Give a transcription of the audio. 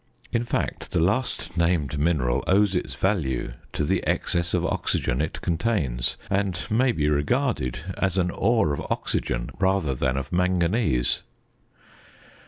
In fact, the last named mineral owes its value to the excess of oxygen it contains, and may be regarded as an ore of oxygen rather than of manganese.